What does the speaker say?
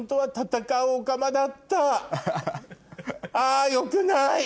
あよくない！